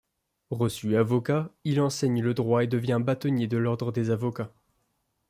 Reçu avocat, il enseigne le droit et devient bâtonnier de l’Ordre des avocats.